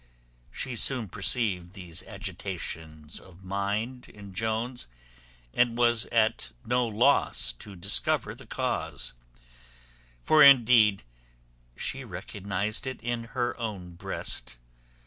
She soon perceived these agitations of mind in Jones, and was at no loss to discover the cause; for indeed she recognized it in her own breast.